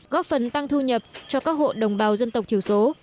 góp phần tăng thu nhập cho các hộ đồng bào dân tộc thiểu số